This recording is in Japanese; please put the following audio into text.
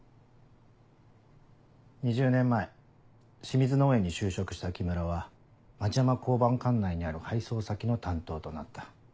２０年前清水農園に就職した木村は町山交番管内にある配送先の担当となった。